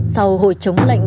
sau hồi chống lạnh